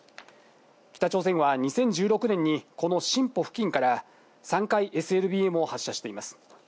北朝鮮は２０１６年に、このシンポ付近から３回、ＳＬＢＭを発射しています。